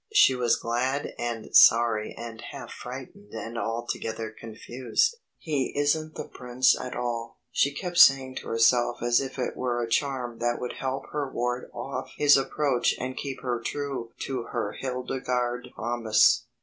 She was glad and sorry and half frightened and altogether confused. "He isn't the prince at all," she kept saying to herself as if it were a charm that would help her ward off his approach and keep her true to her Hildegarde promise.